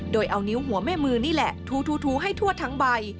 โดยเอานิ้วหัวแม่มือนี่แหละถูให้ทั่วทั้งใบ